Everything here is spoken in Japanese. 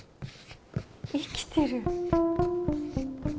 生きてる。